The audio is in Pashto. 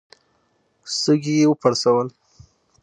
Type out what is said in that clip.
سږي يې وپړسول.